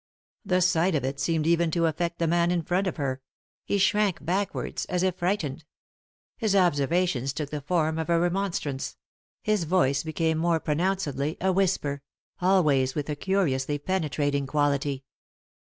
The sight of it seemed even to affect the man in front of her ; he shrank backwards, as if frightened. His observations took the form of a remonstrance ; his voice became more pronouncedly a whisper — always with a curiously penetrating quality.